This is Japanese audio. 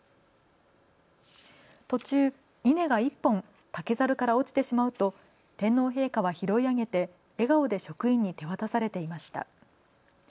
途中、稲が１本、竹ざるから落ちてしまうと天皇陛下は拾い上げて笑顔で職員に手渡されていました。